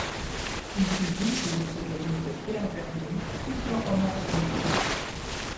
Il publie, sous le pseudonyme de Pierre Vernou, plusieurs romans et nouvelles.